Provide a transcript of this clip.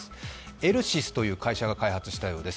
エルシスという感謝が開発したようです。